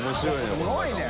すごいね。